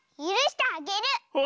ゆるしてあげる！